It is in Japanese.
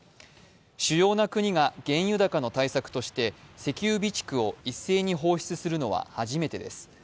主要な国が原油高の対策として石油備蓄を一斉に放出するのは初めてです。